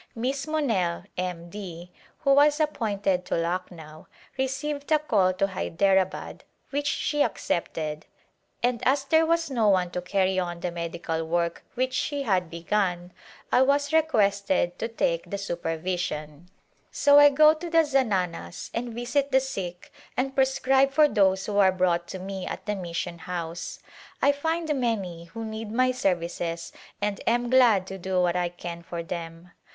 Miss Monelle, M. D., who was ap pointed to Lucknow, received a call to Hyderabad, which she accepted, and as there was no one to carry on the medical work which she had begun I was re quested to take the supervision, so I go to the zananas and visit the sick and prescribe for those who are General Work brought to me at the mission house. I find many who need my services and am glad to do what I can for them.